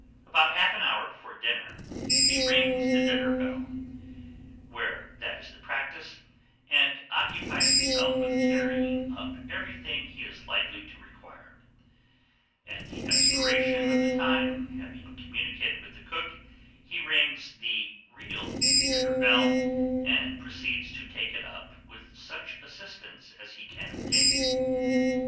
About half an hour before dinner, he rings the dinner bell, where that is the practice, and occupies himself with carrying up everything he is likely to require. At the expiration of the time, having communicated with the cook, he rings the real dinner bell, and proceeds to take it up with such assistance as he can obtain.